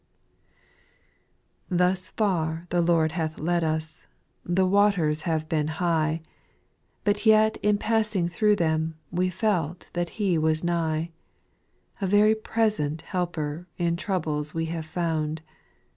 3. ': Thus far the Lord hath led us ; the waters have been high, But yet in passing thro' them, we felt that He was nigh. A very present helper in troubles we have found.